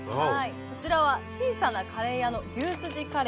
こちらは小さなカレー家の牛すじカレー。